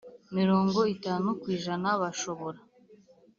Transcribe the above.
mirongo itanu ku ijana bashobora